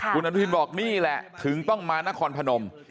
คุณอนุทินบอกนี่แหละถึงต้องมานครพนม